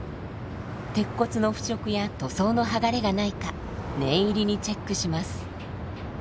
鉄骨の腐食や塗装の剥がれがないか念入りにチェックします。